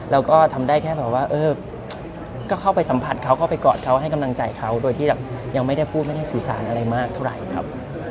แล้วก็ทำได้แค่แบบว่าเออก็เข้าไปสัมผัสเขาก็ไปกอดเขาให้กำลังใจเขาโดยที่แบบยังไม่ได้พูดไม่ได้สื่อสารอะไรมากเท่าไหร่ครับ